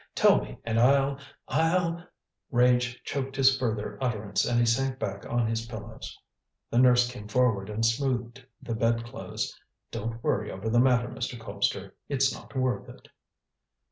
Tell me and I'll I'll " Rage choked his further utterance, and he sank back on his pillows. His nurse came forward and smoothed the bedclothes. "Don't worry over the matter, Mr. Colpster. It's not worth it."